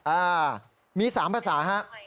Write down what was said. อ่ามี๓ภาษาฮะ